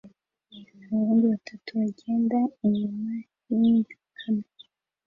Abahungu batatu bagenda inyuma yikamyo